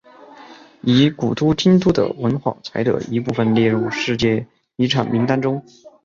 以古都京都的文化财的一部份列入世界遗产名单中。